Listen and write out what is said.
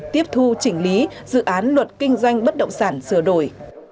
tiếp thu chỉnh lý dự án luật kinh doanh bất động sản sửa đổi